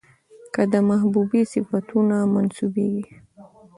که د محبوبې صفتونه منسوبېږي،